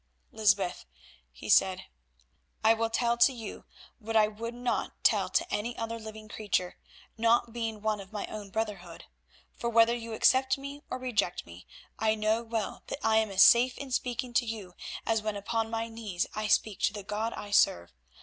"Lysbeth," he said, "I will tell to you what I would not tell to any other living creature, not being one of my own brotherhood, for whether you accept me or reject me, I know well that I am as safe in speaking to you as when upon my knees I speak to the God I serve.